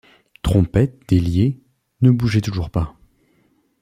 Trompette, délié, ne bougeait toujours pas.